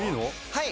はい。